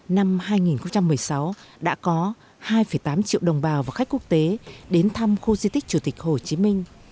năm hai nghìn một mươi sáu đã có hai tám triệu đồng bào và khách quốc tế đến thăm khu di tích chủ tịch hồ chí minh